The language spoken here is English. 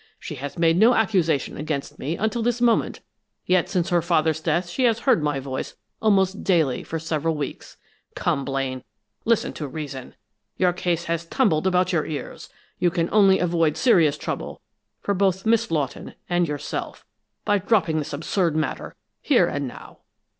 She has made no accusation against me until this moment, yet since her father's death she has heard my voice almost daily for several weeks. Come, Blaine, listen to reason! Your case has tumbled about your ears! You can only avoid serious trouble for both Miss Lawton and yourself by dropping this absurd matter here and now."